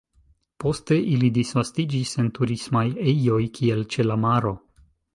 Poste ili disvastiĝis en turismaj ejoj, kiel ĉe la maro.